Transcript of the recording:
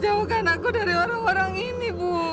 jauhkan aku dari orang orang ini